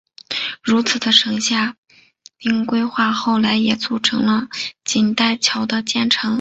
如此的城下町规划后来也促成了锦带桥的建成。